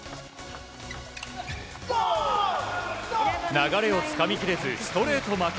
流れをつかみきれずストレート負け。